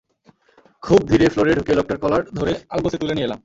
খুব ধীরে ফ্লোরে ঢুকে লোকটার কলার ধরে আলগোসে তুলে নিয়ে এলাম।